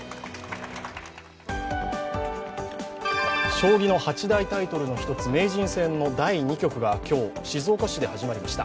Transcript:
将棋の８大タイトルの１つ、名人戦の第２局か今日、静岡市で始まりました。